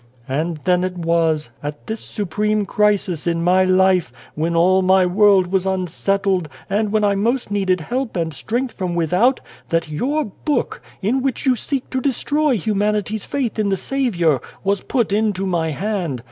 " And then it was, at this supreme crisis in my life, when all my world was unsettled, and when I most needed help and strength from without, that your book, in which you seek to destroy humanity's faith in the Saviour, was put into my hand.